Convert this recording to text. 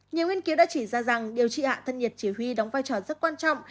nhiều nghiên cứu đã chỉ ra rằng điều trị hạ thân nhiệt chỉ huy đóng vai trò rất quan trọng